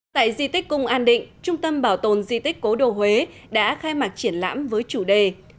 tại di tích cung an định trung tâm bảo tồn di tích cố đồ huế đã khai mạc triển lãm với chủ đề